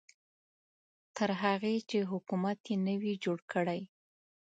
تر هغې چې حکومت یې نه وي جوړ کړی.